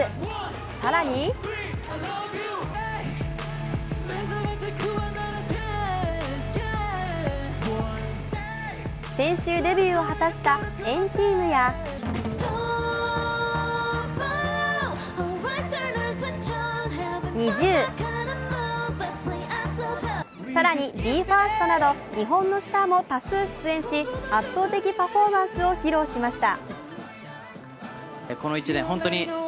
更に先週デビューを果たした＆ＴＥＡＭやＮｉｚｉＵ、更にＢＥ：ＦＩＲＳＴなど日本のスターも多数出演し圧倒的パフォーマンスを披露しました。